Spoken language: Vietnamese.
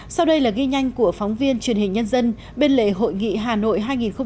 sau đây là ghi nhanh của phóng viên truyền hình nhân dân bên lề hội nghị hà nội hai nghìn một mươi chín